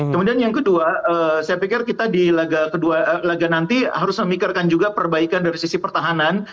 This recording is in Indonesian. kemudian yang kedua saya pikir kita di laga kedua laga nanti harus memikirkan juga perbaikan dari sisi pertahanan